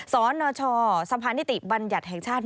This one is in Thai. สนชสะพานนิติบัญญัติแห่งชาติ